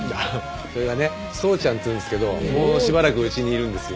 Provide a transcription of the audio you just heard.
それがね宗ちゃんっていうんですけどもうしばらくうちにいるんですよ。